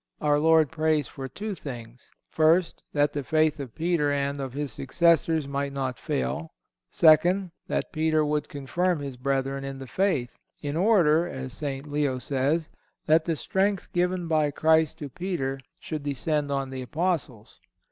Our Lord prays for two things: First—That the faith of Peter and of his successors might not fail. Second—That Peter would confirm his brethren in the faith, "in order," as St. Leo says, "that the strength given by Christ to Peter should descend on the Apostles."